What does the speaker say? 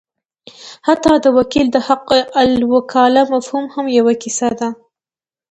حتی د وکیل د حقالوکاله مفهوم هم یوه کیسه ده.